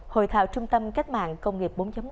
hội thảo trung tâm cách mạng công nghiệp bốn